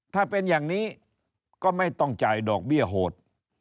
ถ้าเป็นอย่างนี้ก็ไม่ต้องจ่ายดอกเบี้ยโหด